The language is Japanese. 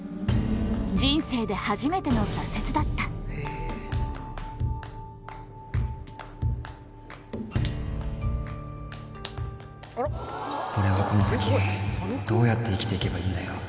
人生で初めての俺はこの先どうやって生きて行けばいいんだよ